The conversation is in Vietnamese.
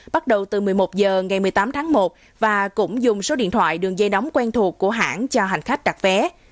bắt đầu từ một mươi một h ngày một mươi tám tháng một và cũng dùng số điện thoại đường dây đóng quen thuộc của hãng cho hành khách đặt vé